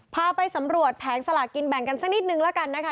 พาไปสำรวจแผงสลากินแบ่งกันสักนิดนึงแล้วกันนะคะ